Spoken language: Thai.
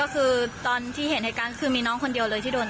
คือตอนที่เห็นเหตุการณ์คือมีน้องคนเดียวเลยที่โดน